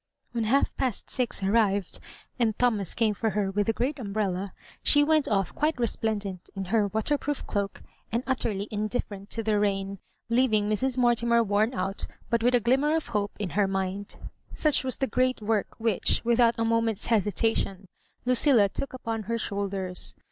When half past six arrived, and Thomas came for her with the great umbrella, she went off quite resplendent in her waterproof doak, and utterly indifferent to the rain, leaving Mrs. Morti mer worn out, but with a glimmer of hope in her mind, .fiuch was the great work which, without a moBient's hesitation, Ludlla took upon her shoulders.